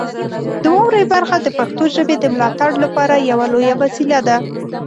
د واورئ برخه د پښتو ژبې د ملاتړ لپاره یوه لویه وسیله ده.